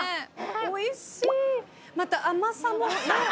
おいしいまた甘さも。